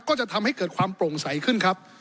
ก็จะทำให้เกิดความโปร่งใสขึ้นครับ